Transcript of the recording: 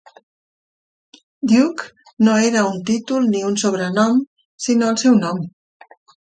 "Duke" no era un títol ni un sobrenom, sinó el seu nom.